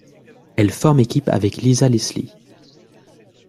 Elle forme équipe avec Lisa Leslie.